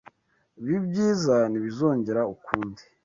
Ibi byiza ntibizongere ukundi.